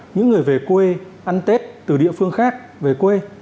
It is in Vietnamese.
những người về quê ăn tết từ địa phương khác về quê